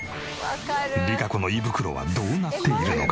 りかこの胃袋はどうなっているのか？